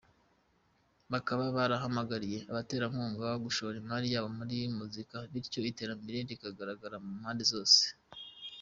Bakaba barahamagariye abaterankunga gushora imari yabo muri muzika bityo iterambere rikagaragara ku mpande zose.